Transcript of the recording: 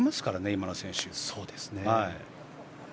今の選手は。